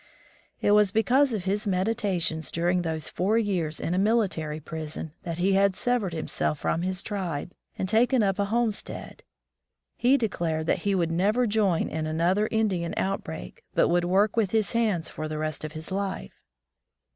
It was because of his meditations during those four years in a military prison that he had severed himself from his tribe and taken up a home stead. He declared that he would never join in another Indian outbreak, but would work with his hands for the rest of his life.